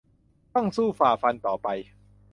ต้องสู้ฝ่าฟันต่อไป